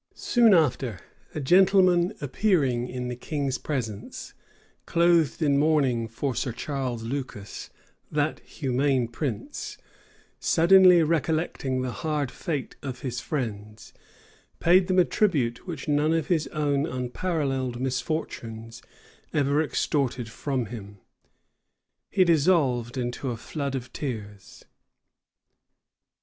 Soon after, a gentleman appearing in the king's presence clothed in mourning for Sir Charles Lucas, that humane prince, suddenly recollecting the hard fate of his friends, paid them a tribute which none of his own unparalleled misfortunes ever extorted from him: he dissolved into a flood of tears.